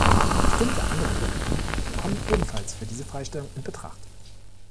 Bestimmte andere Gebiete kommen ebenfalls für diese Freistellung in Betracht.